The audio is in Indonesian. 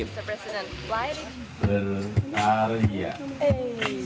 mr president berharian